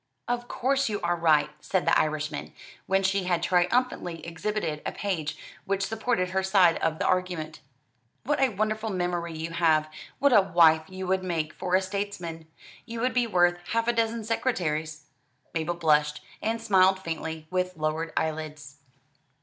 "Of course you are right," said the Irishman, when she had triumphantly exhibited a page which supported her side of the argument. "What a wonderful memory you have! What a wife you would make for a statesman! You would be worth half a dozen secretaries!" Mabel blushed, and smiled faintly, with lowered eyelids.